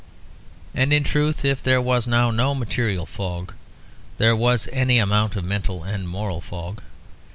And in truth if there was now no material fog, there was any amount of mental and moral fog.